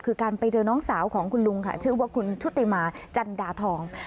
คือการไปเจอน้องสาวของคุณลุงค่ะชื่อว่าคุณชุติมาจันดาทอง